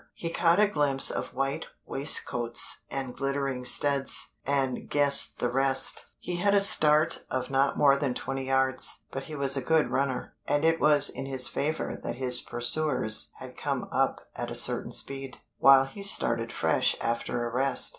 He caught a glimpse of white waistcoats and glittering studs, and guessed the rest. He had a start of not more than twenty yards, but he was a good runner, and it was in his favor that his pursuers had come up at a certain speed, while he started fresh after a rest.